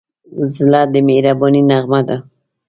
زړه د مهربانۍ نغمه ده.